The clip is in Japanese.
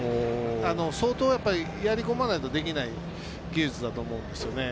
相当、やりこまないとできない技術だと思うんですよね。